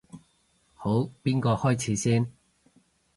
好，邊個開始先？